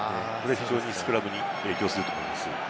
非常にスクラムに影響すると思います。